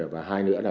và hai nữa là